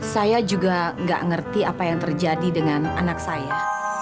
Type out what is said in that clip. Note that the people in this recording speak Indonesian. saya juga nggak ngerti apa yang terjadi dengan anak saya